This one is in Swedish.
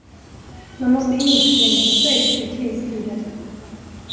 Man måste inskränka sig i kristider!